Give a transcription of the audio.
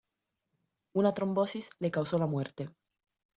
Una trombosis le causó la muerte.